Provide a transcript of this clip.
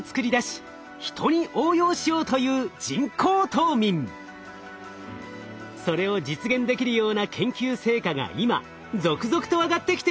それを実現できるような研究成果が今続々と上がってきています。